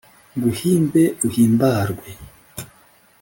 nguhimbe uhimbarwe